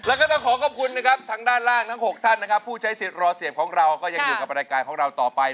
แล้วก็ต้องขอขอบคุณนะครับทางด้านล่างทั้ง๖ท่านนะครับผู้ใช้สิทธิ์รอเสียบของเราก็ยังอยู่กับรายการของเราต่อไป